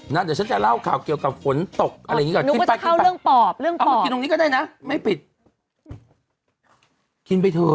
นะเดี๋ยวฉันจะเล่าข่าวเกี่ยวกับขนตก